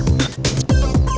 wah keren banget